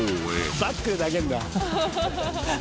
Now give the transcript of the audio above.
バックで投げるんだガーッて。